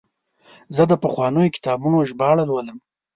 زه د پخوانیو کتابونو ژباړه لولم.